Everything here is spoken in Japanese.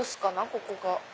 ここが。